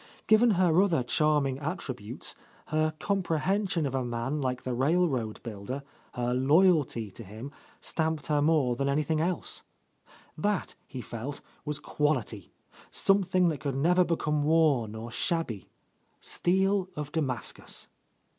Given her other charming attributes, her comprehension of a man like the railroad builder, her loyalty to him, stamped her more than anything else. That, he felt, was quality ; something that could never become worn or shabby; steel of Damascus.